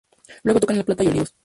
Luego tocan en La Plata y Olivos.